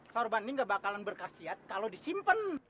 sorban ini gak bakalan berkhasiat kalau disimpen